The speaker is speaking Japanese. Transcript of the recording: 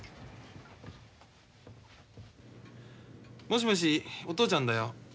もしもしお父ちゃんだよ。